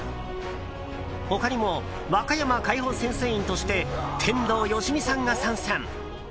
他にも和歌山解放戦線員として天童よしみさんが参戦！